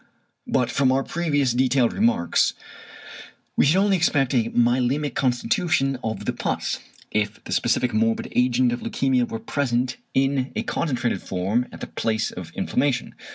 But from our previous detailed remarks we should only expect a myelæmic constitution of the pus, if the specific morbid agent of leukæmia were present in a concentrated form at the place of inflammation.